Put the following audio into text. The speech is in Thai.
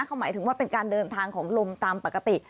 เขาหมายถึงว่าเป็นการเดินทางของลมตามปกติ